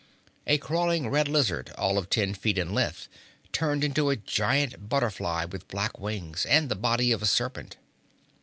A crawling red lizard, all of ten feet in length, turned into a giant butterfly with black wings and the body of a serpent.